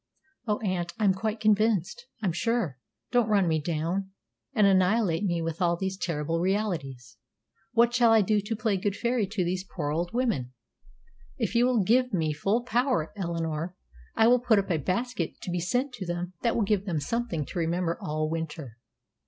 "O aunt, I'm quite convinced, I'm sure; don't run me down and annihilate me with all these terrible realities. What shall I do to play good fairy to these poor old women?" "If you will give me full power, Eleanor, I will put up a basket to be sent to them that will give them something to remember all winter."